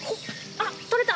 あっとれた！